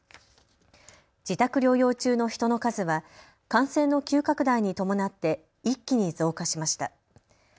自宅療養中の人の数は感染の急拡大に伴って一気に増加しました。